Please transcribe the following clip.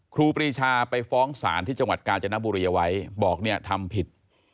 ครูปรีชาไปฟ้องศาลที่จังหวัดกาญจนบุรีเอาไว้บอกเนี่ยทำผิด